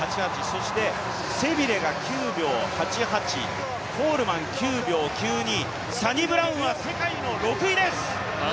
そしてセビルが９秒８８、コールマン９秒９２、サニブラウンは世界の６位です！